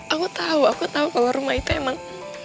aku tau aku tau kalau rumah itu emang